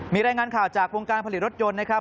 มีรายงานข่าวจากวงการผลิตรถยนต์นะครับ